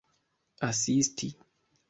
asisti